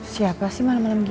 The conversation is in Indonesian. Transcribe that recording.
siapa sih malam malam di